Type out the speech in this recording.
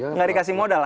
enggak dikasih modal